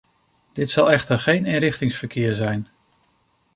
Dit zal echter geen eenrichtingsverkeer zijn.